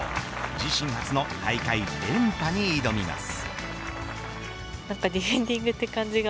自身初の大会連覇に挑みます。